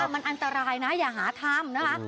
มันอันตรายนะอย่าหาทำนะคะ